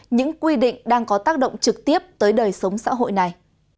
những quy định đang có tác động trực tiếp tới đời sống xã hội này